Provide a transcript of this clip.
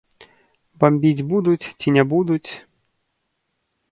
Бамбіць будуць ці не будуць?